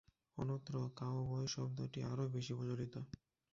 অন্যত্র, " কাউবয়" শব্দটি আরও বেশি প্রচলিত।